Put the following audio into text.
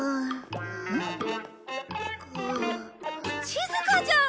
しずかちゃん！